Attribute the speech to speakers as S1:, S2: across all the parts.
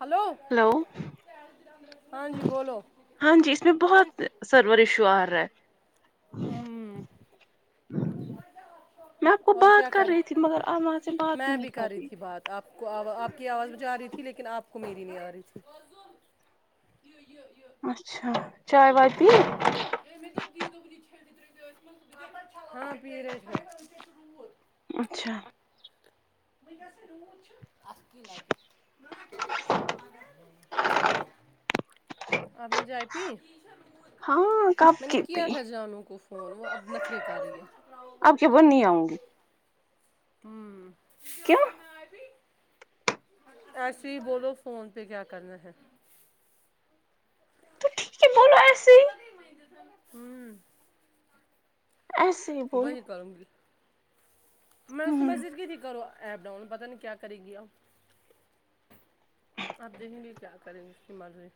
S1: hello ہاں جی بولو
S2: ہاں جی اس میں بہت سرور ایشو آ رہا ہے
S1: ہم
S2: میں آپ کو
S1: اور
S2: بات
S1: کیا کر
S2: رہی تھی مگر آپ وہاں سے بات ہی
S1: میں بھی
S2: نہیں
S1: کر رہی تھی بات آپ کو آپ کی آواز مجھےارہی تھی لیکن آپ کو میری نہیں آ رہی تھی [unintelligible]
S2: اچھا چائے وائے پی
S1: ہاں [unintelligible]
S2: اچھا
S1: [unintelligible] [unintelligible] آپ نے چائے پی
S2: ہاں کب
S1: میں نے
S2: کی
S1: کیا
S2: پی
S1: تھا جانوں کو فون وہ اب نخرے کر رہی ہے
S2: آپ کے بن نہیں آؤں گی
S1: ہم
S2: کیا
S1: ایسے ہی بولو فون پہ کیا کرنا ہے
S2: تو ٹھیک ہے بولنا
S1: ہم [unintelligible]
S2: ایسے ہی بولو
S1: [unintelligible] میں اس کو
S2: ہوں
S1: میسج کی تھی کرو ایپ ڈاؤن پتہ نہیں کیا کرے گی آپ آپ دیکھیں گے کیا کریں گے اس کی مرضی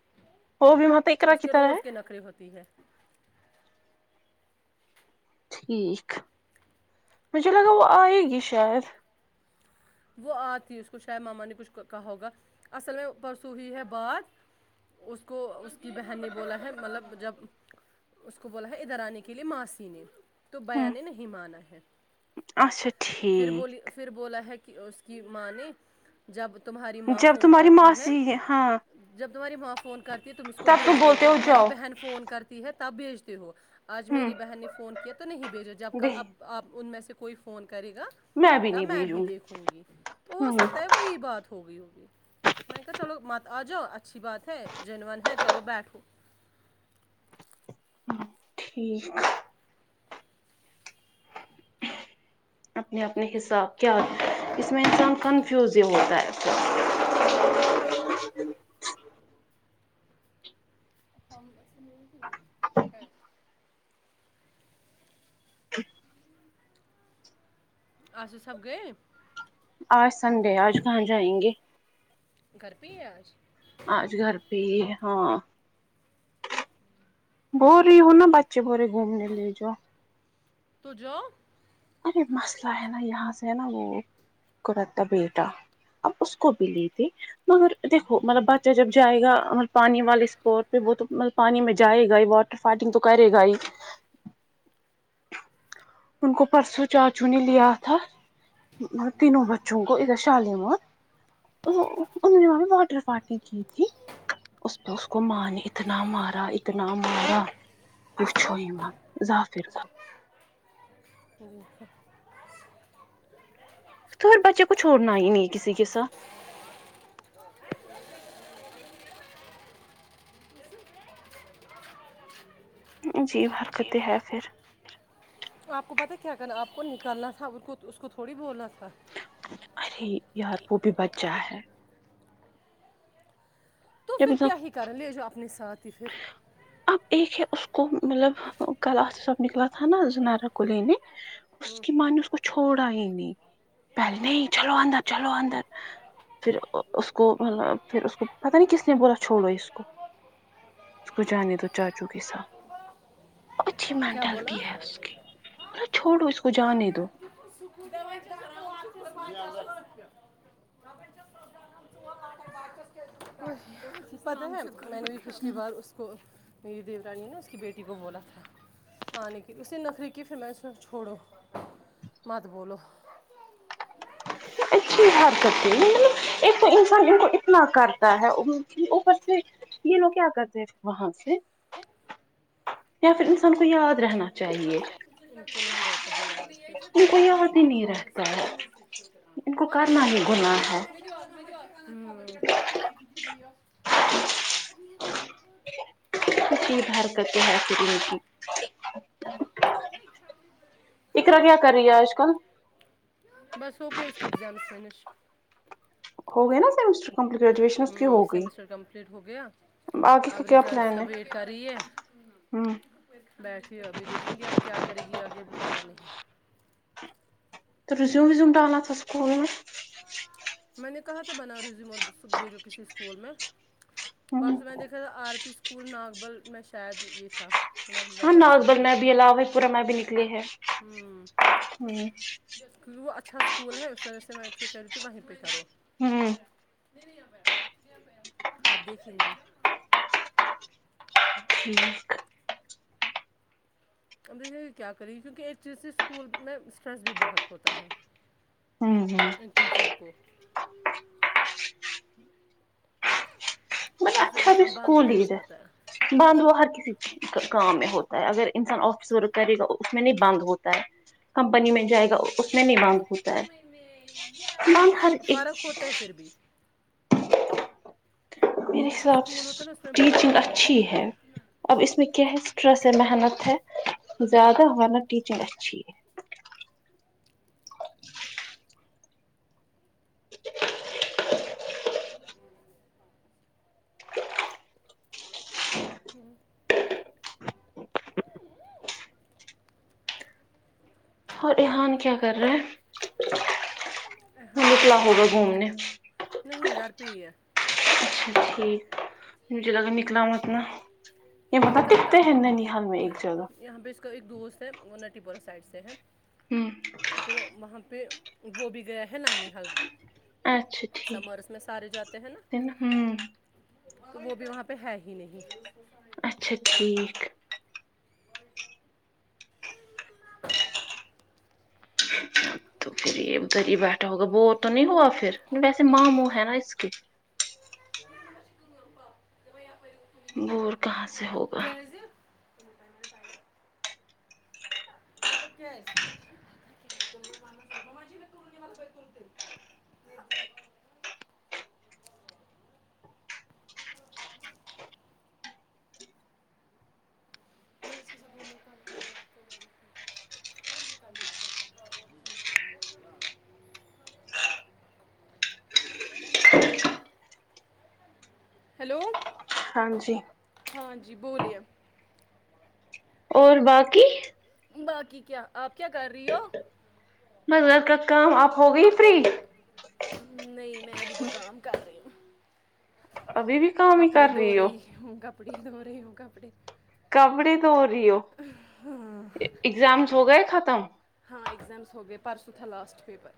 S2: وہ بھی مت اقرا
S1: اس
S2: کی
S1: کے
S2: طرح
S1: روز کے
S2: ہے
S1: نخری ہوتی ہے
S2: ٹھیک مجھے لگا وہ آئے گی شاید
S1: وہ آتی اس کو شاید ماما نے کچھ کہا ہوگا اصل میں پرسوں ہوئی ہے بات اس کو اس کی بہن نے بولا ہے مطلب جب اس کو بولا ہے ادھر آنے کے لیے ماسی نے تو بیا
S2: ہوں
S1: نے نہیں مانا ہے
S2: اچھا
S1: پھر بولی
S2: ٹھیک
S1: پھر بولا ہے کہ اس کی ماں نے جب تمہاری ماں
S2: جب
S1: فون
S2: تمہاری
S1: کرتی ہے
S2: ماسی ہاں
S1: جب تمہاری ماں فون کرتی ہے تم اس کو
S2: تب تم
S1: بیجتے ہو
S2: بولتے
S1: جب تمہاری
S2: جاؤ
S1: بہن فون کرتی ہے تب بیجتے ہو آج
S2: ہوں
S1: میری بہن نے فون کیا تو نہیں بھیجا جب کل اب آپ ان میں سے کوئی فون کرے گا
S2: میں بھی نہیں بھیجوں گی
S1: ہوں گی تو ہو
S2: ہوں
S1: سکتا ہے وہی بات ہوگئی ہوگی میں نے کہا چلو م آ جاؤ اچھا اچھی بات ہے جن ون ہے چلو بیٹھو
S2: ٹھیک اپنے اپنے حساب کیا اس میں انسان کنفیوز ہی ہوتا ہے
S1: [unintelligible] اچھا سب گئے
S2: آج سنڈے آج کہاں جائیں گے
S1: گھر پہ ہی ہے آج
S2: آج گھر پہ ہی ہاں بول رہی ہو نا بچے باول رہے گھومنے لے جو
S1: تو جاؤ
S2: ارے مسئلہ ہے نا یہاں سے ہے نا وہ قورتا بیٹا اب اس کو بھی لیےتے مگر دیکھو مطلب بچہ جب جائے گا م پانی والے اسپاٹ پہ وہ تو مطلب پانی میں جائے گا ہی واٹر فائٹنگ تو کرے گا ہی ان کو پرسوں چاچو نے لیا تھا تینوں بچوں کو ادھر شالیمار وہ نے وہاں بھی واٹر پارٹی کی تھی اس پر اس کو مار اتنا مارا اتنا مارا
S1: کس
S2: پوچھو
S1: کو
S2: ہی مت ظفیر کو
S1: ج
S2: تو بچے کو چھوڑنا ہی نہیں ہے کسی کے ساتھ جی برکتیں ہے پھر
S1: آپ کو پتاہ کیا کرنا آپ کو نکالنا تھا کو اس کو تھوڑی بولنا تھا
S2: ارے یار وہ بھی بچہ ہے
S1: تو پھر
S2: جب
S1: کیا ہی کر لے جاؤ اپنے ساتھ ہی پھر
S2: اب ایک ہے اس کو مطلب کل آ سب نکلا تھا نا زنارا کو لینے اس کی ماں نے اس کو چھوڑا ہی نہیں پہل نہیں چلو اندر چلو اندر پھر اس کو مطلب پھر اس کو پتا نہیں کس نے بولا چھوڑو اس کو اس کو جانے دو چاچو کے ساتھ اچھی
S1: کیا بولا
S2: مینٹلٹی ہے اس کی م چھوڑو اس کو جانے دو
S1: [inaudible] [unintelligible] پچھلی بار اس کو میری دیورانی نے اس کی بیٹی کو بولا تھا آنے کے لیے اس نے نخری کی پھر میں اسے چھوڑو مت بولو
S2: اچھی حرکت ہی ن مطلب ایک تو انسان ان کو اتنا کرتا ہے اوپر سے یہ لوگ کیا کرتے ہیں وہاں سے یا پھر انسان کو یاد رہنا چاہیے کو یاد ہی
S1: بالکل
S2: نہیں رہتا ہے ان کو کرنا
S1: مدر
S2: ہی گناہ ہے
S1: [unintelligible] [unintelligible]
S2: بار کرتی ہے س کی
S1: نہیں کیا
S2: اقرأ کیا کر رہی ہے آج کل
S1: بس ہوگی اس کے اگزامس و نش
S2: ہو گئے نا سیمسٹر کمپلیٹ گریجویشن اس کی
S1: ہوں
S2: ہوگئی
S1: سیمسٹر کمپلیٹ ہو گیا
S2: آگے کا
S1: اب
S2: کیا
S1: ریزلٹس
S2: پلان
S1: کا
S2: ہے
S1: ویٹ کر رہی ہے
S2: ہ
S1: بیٹھی ہو ابھی دیکھیں گے اب کیا کرے گی آگے ابھی پتہ نہیں
S2: تو ریزوم وزوم ڈالا تھا اسکول میں
S1: میں نے کہا تھا بنا ریزیوم اور بیجو کسی اسکول میں اوراس
S2: ہمم
S1: میں نے دیکھا تھا آر پی اسکول ناگبل میں شاید یہ تھا وہاں
S2: ہاں ناس
S1: ویکینسی
S2: بل
S1: تھی
S2: میں بھی لو پورہ میں بھی نکلی ہے ہ
S1: کی وہ اچھا اسکول ہے اس وجہ سے میں ایک کوو کہہ رہی تھی وہیں پہ کرو
S2: ہوں
S1: ابھی سہی اچ
S2: ٹھیک
S1: اندر جاکے کیا کریے کیونکہ ایک چیز سے اسکول میں اسٹریس بھی بہت ہوتا ہے
S2: ھممم
S1: ٹیچر کو
S2: مطلب
S1: اس
S2: اچھا
S1: اس
S2: بھی اسکول ڈائس ہے بند وہ ہر کسی کام میں ہوتا ہے اگر انسان آفس ورک کرے گا اس میں نہیں بند ہوتا ہے کمپنی مل جائے گا اس میں بھی بنک ہوتا
S1: پر
S2: ہے
S1: میں میں
S2: بنک
S1: ہوں،
S2: ہر ایک
S1: فرق ہوتا ہے پھر بھی
S2: میرے
S1: اس جو
S2: حساب
S1: اسکول ہوتا ہے نا اس میں بہت
S2: ٹیچنگ
S1: پرابلمس
S2: اچھی
S1: ہو
S2: ہے
S1: جاتے ہیں
S2: اب اس میں کیا ہے ٹرسٹ ہے محنت ہے زیادہ محنت ہی چاہے ٹیچنگ اچھی
S1: ہم
S2: اور رحان کیا کر رہے ہیں
S1: ہاں نہیں گھر پئی ہے
S2: اچھا ٹھیک مجھے لگا نکلا ہوا تم نے
S1: نکلتا
S2: [unintelligible]
S1: یہاں پہ اس کا ایک دوست ہے وہ نٹی بھرا سائڈ سے ہے
S2: ہمم
S1: تو وہاں پہ وہ بھی گیا ہے نانی ہل
S2: اچھا ٹھیک
S1: سممیرس میں سارے جاتے ہیں نا
S2: ہمم
S1: وہ بھی وہاں پہ ہے ہی نہیں
S2: اچھا ٹھیک
S1: [unintelligible]
S2: [unintelligible] تو پھر کھی بیٹا ہوگا نہیں ہوا پھر ویسے ماموں ہیں نا اس کے
S1: [unintelligible]
S2: بور کہاں سے ہوگ
S1: کیسی [unintelligible] [unintelligible] [unintelligible] [unintelligible] ہیلو
S2: ہاں جی
S1: ہاں جی بولیے
S2: اور باقی
S1: باقی کیا آپ کیا کر رہی ہو
S2: بس گھر کا کام آپ ہو گئی فری
S1: نہیں میں ابھی بھی کام کر رہی ہوں
S2: ابھی بھی کام ہی
S1: کپڑے
S2: کر
S1: دھو
S2: ہو
S1: رہی ہوں کپڑے دھو رہی ہوں کپڑے
S2: کپڑے دھو رہی ہو اگزامس ہو گئے ختم
S1: ہاں ایگزامس ہو گئے پرسوں تھا لاسٹ پیپر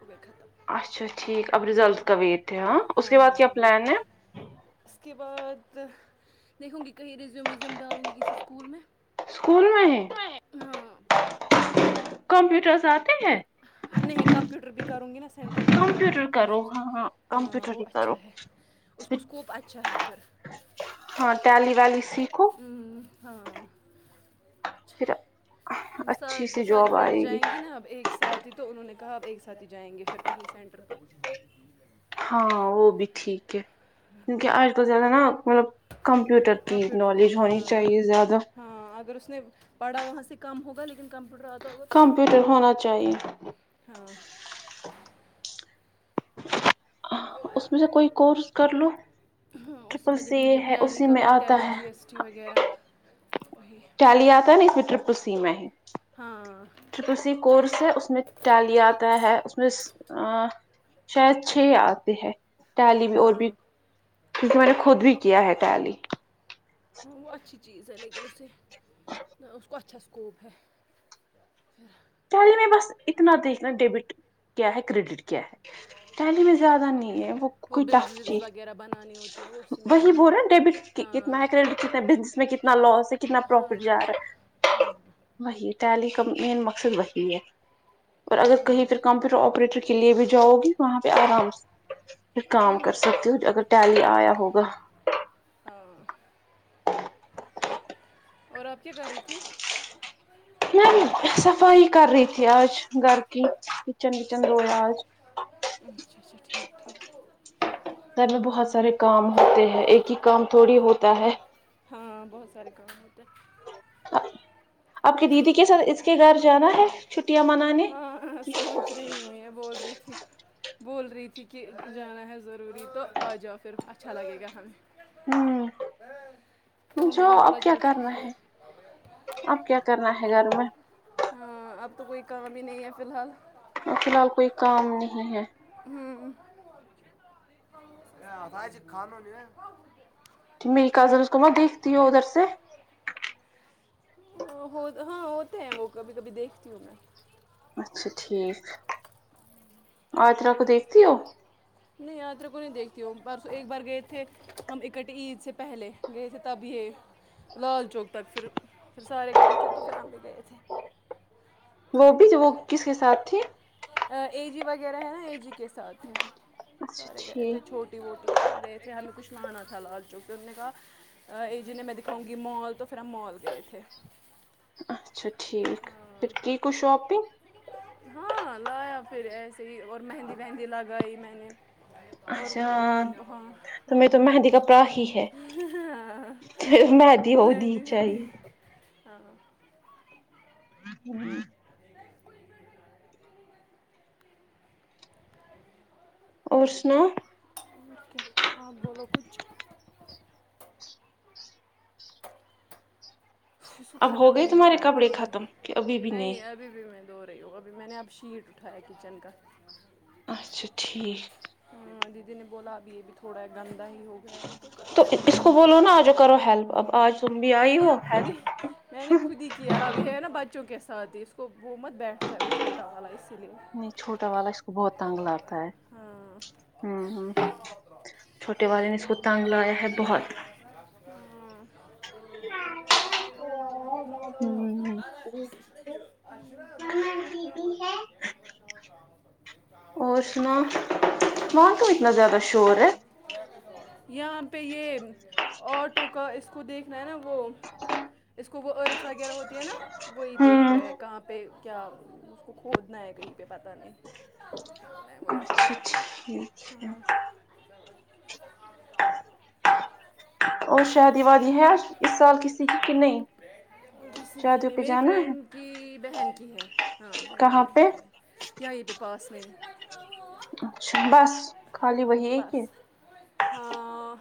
S1: ہو گیا ختم
S2: اچھا ٹھیک اب رزلٹ کا وائٹ ہے ہاں اس کے بعد
S1: ہاں
S2: کیا
S1: اب
S2: پلان ہے
S1: رزلٹ اس کے بعد دیکھوں گی کہیں ریزیوم ویزیوم ڈالوں گی کسی اسکول میں
S2: اسکول میں ہے
S1: ہاں
S2: کمپیوٹرس اتے ہیں
S1: نہیں کمپیوٹر بھی کروں گی نا سینٹر جوائن کروں گی
S2: کمپیوٹر
S1: نا
S2: کرو
S1: پرسوں سے
S2: ہاں
S1: ہاں
S2: کمپیوٹر
S1: وہ
S2: ہی کرو
S1: اچھا ہے اس کو اسکوپ اچھا ہے پھر
S2: ہاں ٹیلی والی سیکھو
S1: ہوں ہاں
S2: پھرا
S1: ہم سب ساری فرینڈس جائیں گی نا اب ایک ساتھ تو انہوں نے کہا اب ایک ساتھ ہی جائیں گے پھر کہیں سینٹر تو
S2: ہاں وہ بھی ٹھیک ہے کیونکہ آج کل زیادہ نا مطلب کمپیوٹر
S1: سینٹ
S2: کی
S1: کمپیوٹر
S2: نالیج
S1: کہیں
S2: ہونی
S1: ہاں
S2: چاہیے زیادہ
S1: ہاں اگر اس نے پڑھا وہاں سے کم ہوگا لیکن کمپیوٹر آ
S2: کمپیوٹر ہونا چاہیے
S1: ہاں
S2: اس میں سے کوئی کورس کر لو
S1: ہاں اسی
S2: ٹرپل
S1: میں
S2: سی
S1: دیکھوں گی اب
S2: ہے
S1: ٹیلی
S2: اسی میں
S1: کروں گی
S2: آتا
S1: ٹیلی
S2: ہے
S1: جی ایس ٹی وغیرہ وہی
S2: ٹیلی آتا نا اس وٹرپ سی میں ہی
S1: ہاں
S2: سی کورس ہے اس میں ٹیلی آتا ہے اس میں شاید چھ آتے ہیں ٹیلی بھی اور بھی
S1: ہاں
S2: کیونکہ میں نے خود بھی کیا ہے ٹیلی
S1: ہاں وہ اچھی چیز ہے لیکن اسے ن اس کا اچھا سکوپ ہے
S2: ٹیلی میں بس اتنا دیکھنا ڈیبٹ کیا ہے کریڈٹ کیا ہے ٹیلی میں زیادہ
S1: ہاں
S2: نہیں ہے وہ کوئی
S1: بلز
S2: ٹف تھی
S1: ولز وغیرہ بنانی ہوتی ہیں وہ اسی میں
S2: وہی
S1: بنتی
S2: بول
S1: ہیں
S2: رہا ڈیبٹ
S1: ہاں
S2: کتنا ہی کریڈ کتنے بزنس میں کتنا لاس ہے کتنا
S1: ہاں
S2: پروفٹ جا رہا ہے وہی ٹیلی کا مین وہی ہے اور اگر
S1: ہاں
S2: کہیں پھر کمپیوٹر آپریٹر کی کے لیے بھی جاؤ گی وہاں پہ آرام سے کام کر سکتی ہو اگر ٹیلی آیا ہوگا
S1: ہاں اور آپ کیا کر رہی تھی
S2: میم صفائی کر رہی تھی آج گھر کی کچن وچن دھویا آج
S1: اچھا اچھا ٹھیک ٹھیک
S2: گھر میں بہت سارے کام ہوتے ہیں ایک ہی کام تھوڑی ہوتا ہے
S1: ہاں بہت سارے کام ہوتے ہیں
S2: آپ کی دیدی کے ساتھ اس کے گھر جانا ہے چھٹیاں منانے
S1: ہاں ہاں سوچ رہی ہ یہ بول رہی تھی بول رہی تھی کہ جانا ہے ضروری تو آ جاؤ پھر اچھا لگے گا ہمیں
S2: ہوں
S1: ا میں
S2: جو
S1: نے بولا
S2: اب کیا
S1: چلو ٹھیک
S2: کرنا
S1: ہے
S2: اب کیا کرنا ہے گھر میں
S1: ہاں اب تو کوئی کام ہی نہیں ہے فی الحال
S2: اور فی الحال کوئی کام نہیں ہے
S1: ہوں [unintelligible] [unintelligible]
S2: میری کزنس کو میں دیکھتی ہوں ادھر سے
S1: ہاں آتے ہیں وہ کبھی کبھی دیکھتی ہوں میں
S2: اچھا ٹھیک آ یاترا کو دیکھتی ہو
S1: میں یاترا کو نہیں دیکھتی ہوں پرسوں ایک بار گئے تھے ہم اکٹے عید سے پہلے گئے تھے تب یہ لال چوک تک پھر پھر سارے گئے تھے تو پھر ہم بھی گئے تھے
S2: وہ بھی وہ کس کے ساتھ تھی
S1: اے جی وغیرہ ہے نا اے جی کے ساتھ ہیں
S2: اچھا
S1: سارے گئے تھے
S2: ٹھیک
S1: چھوٹے رٹی ووٹیئے گئے تھے ہم کچھ لانا تھا لال چوک سے پھر ہم نے کہا ای جنہیں میں دکھاؤں گی مال تو پھر ہم مال گئے تھے
S2: اچھا ٹھیک پھر کی کوئی شاپنگ
S1: ہاں لایا پھر ایسے ہی اور مہندی وہندی لگائی میں نے اور
S2: اچھا تمہیں تو مہندی کپڑا ہی ہے مہندی ہونی چاہیے
S1: [unintelligible] ہاں
S2: [inaudible]
S1: [unintelligible]
S2: اور سنا
S1: کیا آپ بولو کچھ اس کو
S2: اب ہو
S1: ختم ہی
S2: گئی
S1: نہیں
S2: تمہارے
S1: ہوتا ہے
S2: کپڑے
S1: کام
S2: ختم کہ ابھی بھی
S1: نہیں ابھی ابھی میں دھو رہی ہوں ابھی میں نے اب شیٹ اٹھایا کچن کا
S2: اچھا ٹھیک
S1: ہاں دیدی نے بولا ابھی یہ بھی تھوڑا گندا ہی ہو گیا ہے تو کر
S2: اس
S1: صاف
S2: کو
S1: یہ
S2: بولو نا آجو کرو ہیلپ اب آج تم بھی
S1: میں
S2: آئی
S1: نے
S2: ہو
S1: اب خود ہی
S2: ہیلپ
S1: میں نے خود ہی کیا اب یہ ہے نا بچوں کے ساتھ ہی اس کو وہ مت بیٹھتا ہے وہ چھوٹا والا اسی لیے
S2: نہیں چوٹا والا اس کو بہت تنگ لگتا
S1: ہاں
S2: چھوٹے والے نے اس کو تانگ لایا ہے بہت
S1: [unintelligible]
S2: ہوں
S1: [unintelligible] [unintelligible]
S2: اور سنا وہاں کیوں اتنا
S1: [inaudible]
S2: زیادہ شور ہے
S1: یہاں پہ یہ آٹو کا کو دیکھنا ہے نا وہ اس کو وہ ارتھ وغیرہ ہوتی ہے نا وہی دیکھ
S2: ہوں
S1: رہے ہیں کہاں پہ پہ کیا اس کو کھودنا ہے کہیں پہ پتا نہیں کوئی
S2: اچھا ٹھیک ہے
S1: ہمم
S2: اور شادی وادی ہے اس سال کسی کی کہ نہیں
S1: اسی
S2: شادیوں
S1: کی
S2: پہ
S1: میری
S2: جانا ہے
S1: فرینڈ کی بہن کی ہے ہاں بہن کی
S2: کہاں
S1: بہن
S2: پہ
S1: کی ہے یہیں پہ پاس نہیں
S2: اچھا بس خالی وہی
S1: ہمم
S2: ایک
S1: بس
S2: ہے
S1: ہاں